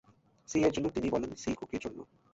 "C" এর জন্য, তিনি বলেন "সি কুকির জন্য"।